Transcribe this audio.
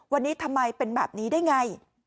วันนี้ทำไมเป็นแบบนี้ได้ไง